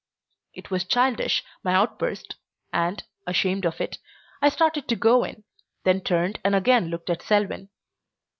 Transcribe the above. It was childish my outburst and, ashamed of it, I started to go in, then turned and again looked at Selwyn.